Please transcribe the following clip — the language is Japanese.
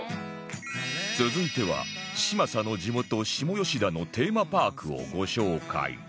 続いては嶋佐の地元下吉田のテーマパークをご紹介